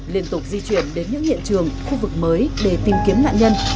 liên tục di chuyển đến những hiện trường khu vực mới để tìm kiếm nạn nhân